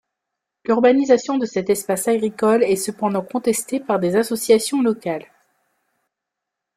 L'urbanisation de cet espace agricole est cependant contesté par des associations locales.